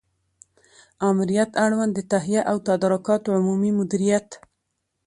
آمریت اړوند د تهیه او تدارکاتو عمومي مدیریت